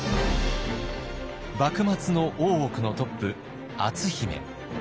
幕末の大奥のトップ篤姫。